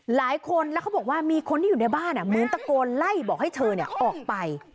หลายคนแล้วเขาบอกว่ามีคนที่อยู่ในบ้านเหมือนตะโกนไล่บอกให้เธอออกไป